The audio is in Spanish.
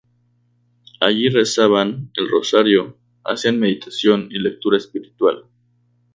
Allí rezaban el rosario, hacían meditación y lectura espiritual.